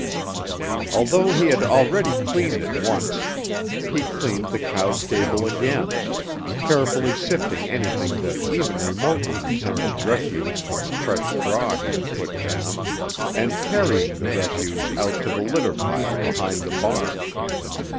Although he had already cleaned it once, he cleaned the cow stable again, carefully sifting anything that even remotely resembled refuse from the fresh straw he had put down and carrying the refuse out to the litter pile behind the barn.